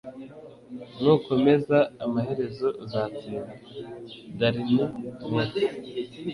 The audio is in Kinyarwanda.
Nukomeza amaherezo uzatsinda (darinmex)